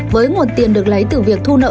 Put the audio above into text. với nguồn tiền được lấy từ việc thu nợ